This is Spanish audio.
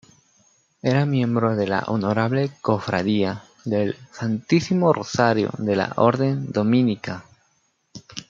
Era miembro de la Honorable Cofradía del Santísimo Rosario de la Orden dominica.